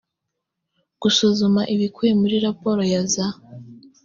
gusuzuma ibikubiye muri raporo ya za